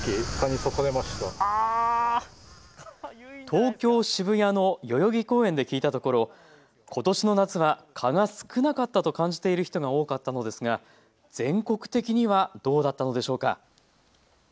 東京渋谷の代々木公園で聞いたところ、ことしの夏は蚊が少なかったと感じている人が多かったのですが全国的にはどうだったのでしょうか。